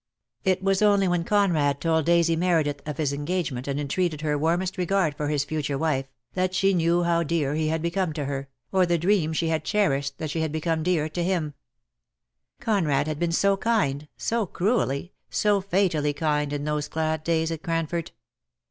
It was only when Conrad told Daisy Meredith of his engagement, and entreated her warmest regard for his future wife, that she knew how dear he had become to her, or the dream she had cherished that she had become dear to him, Conrad had been so kind, so cruelly, so fatally kind in those glad days at Cranford.